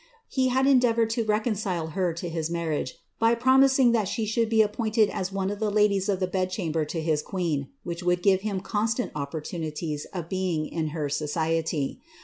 lie had endeavoured to reconcile her to his marriage, by promising that she should be appointed as one of the ladies of the bed chamber to his queen, which would give him constant opportunities of being in her society.'